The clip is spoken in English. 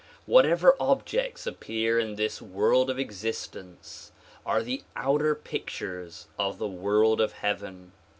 Whatever objects appear in this world of existence are the outer pictures of the world of heaven.